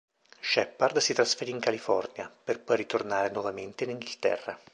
Sheppard si trasferì in California, per poi ritornare nuovamente in Inghilterra.